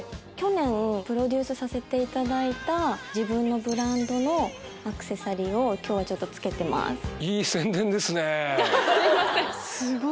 去年プロデュースさせていただいた自分のブランドのアクセサリーを今日は着けてます。